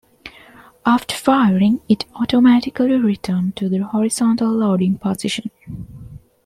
After firing, it automatically returned to the horizontal loading position.